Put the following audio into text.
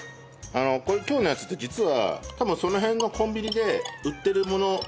これ今日のやつって実は多分その辺のコンビニで売ってるものを買ってきました。